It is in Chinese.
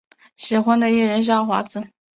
喜欢的艺人是奥华子。